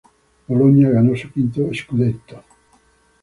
Bologna ganó su quinto "scudetto".